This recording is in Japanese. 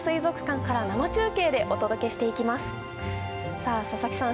さあ佐々木さん